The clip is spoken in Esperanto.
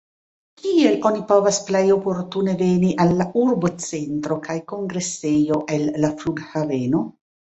Kiel oni povas plej oportune veni al la urbocentro kaj kongresejo el la flughaveno?